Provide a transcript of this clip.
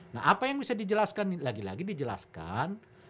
nah apa yang bisa dijelaskan lagi lagi dijelaskan